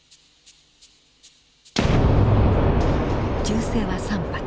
銃声は３発。